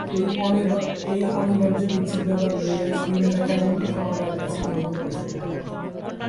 এই অনিবার্য বিচ্ছেদব্যাপার লইয়া শৈলজা কেবলই কমলার কাছে দুঃখপ্রকাশ করিতে লাগিল।